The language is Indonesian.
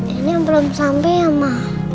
ini yang belum sampai ya ma